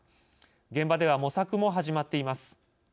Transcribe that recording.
現場では模索も始まっています。